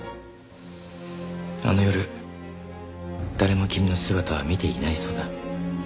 あの夜誰も君の姿は見ていないそうだ。